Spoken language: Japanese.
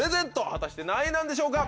果たして何位なんでしょうか？